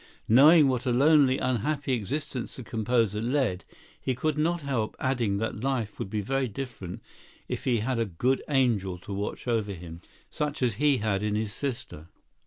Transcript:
Knowing what a lonely, unhappy existence the composer led, he could not help adding that life would be very different if he had a good angel to watch over him, such as he had in his sister.